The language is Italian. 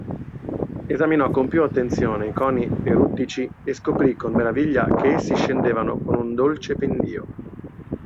Esaminò con più attenzione i coni eruttici e scoprì con meraviglia che essi scendevano con un dolce pendio.